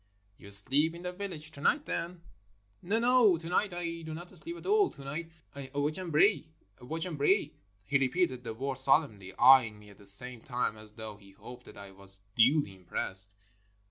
"You sleep in the village to night, then?" "No, no, to night I do not sleep at all. To night I watch and pray. Watch and pray." He repeated the words solemnly, eyeing me at the same time as though he hoped that I was duly impressed.